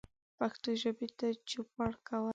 پښتو ژبې ته چوپړ کول